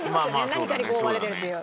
何かに覆われてるっていう。